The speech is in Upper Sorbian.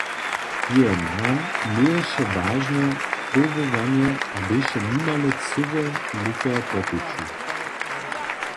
Jeje nan měješe wažne powołanje a běše nimale cyłe lěto po puću.